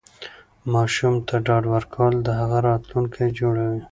ماشوم ته ډاډ ورکول د هغه راتلونکی جوړوي.